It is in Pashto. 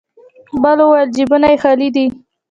بل وويل: جيبونه يې خالي دی.